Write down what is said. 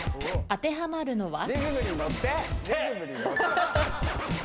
当てはまるのは？